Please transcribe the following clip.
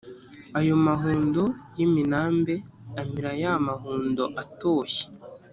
ayo mahundo y’iminambe amira ya mahundo atoshye